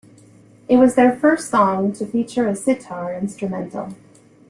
It was their first song to feature a sitar instrumental.